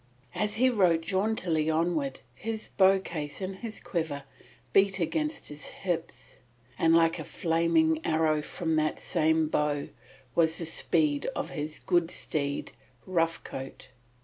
As he rode jauntily onward his bow case and his quiver beat against his hips, and like a flaming arrow from that same bow was the speed of his good steed, Rough Coat.